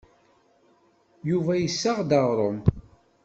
Yuba yessaɣ-d aɣrum.